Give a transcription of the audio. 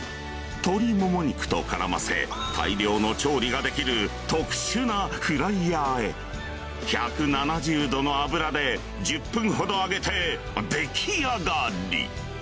鶏もも肉と絡ませ大量の調理ができる特殊なフライヤーへ１７０℃の油で１０分ほど揚げて出来上がり！